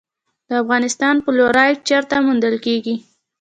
د افغانستان فلورایټ چیرته موندل کیږي؟